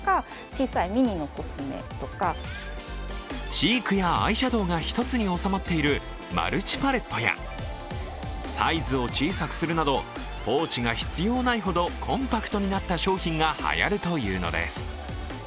チークやアイシャドウが１つに収まっているマルチパレットやサイズを小さくするなどポーチが必要ないほどコンパクトになった商品がはやるというのです。